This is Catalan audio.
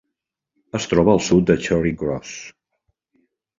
Es troba al sud de Charing Cross.